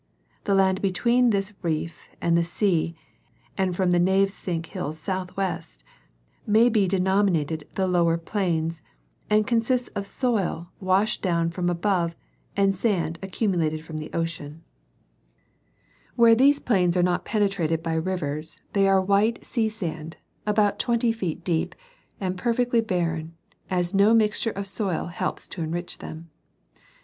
The land between this rief and the sea and from the Navesink hills southwest may be denominated the Lower Plains, and consists of soil washt down from above and sand accumulated from the ocean. Where 186 National Geographic Magazine. these plains are not penetrated by rivers, they are a white sea sand, about twenty feet deep and perfectly barren, as no mixture of soil helps to enrich them.